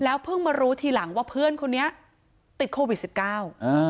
เพิ่งมารู้ทีหลังว่าเพื่อนคนนี้ติดโควิดสิบเก้าอ่า